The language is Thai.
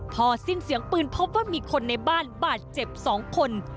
พอสิ้นเสียงปืนพบว่ามีคนในบ้านบาดเจ็บ๒คน